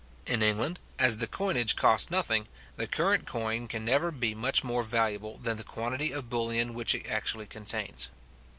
In England, as the coinage costs nothing, the current coin can never be much more valuable than the quantity of bullion which it actually contains.